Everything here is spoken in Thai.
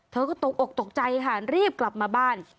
เธอก็ตกอกตกใจค่ะรีบกลับมาบ้าน